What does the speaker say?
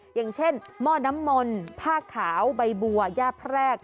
อย่างเช่นหม้อน้ำมนต์ผ้าขาวใบบัวย่าแพรก